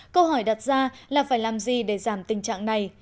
câu hỏi đặt ra là phải làm gì để giảm tình trạng này